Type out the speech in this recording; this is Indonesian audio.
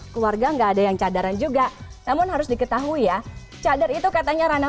keluarga enggak ada yang cadaran juga namun harus diketahui ya cadar itu katanya ranah